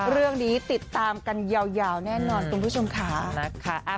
เรื่องนี้ติดตามกันยาวแน่นอนคุณผู้ชมค่ะนะคะ